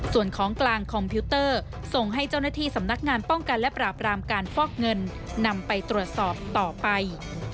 ส่วนของกลางคอมพิวเตอร์ส่งให้เจ้าหน้าที่สำนักงานป้องกันและปราบรามการฟอกเงินนำไปตรวจสอบต่อไป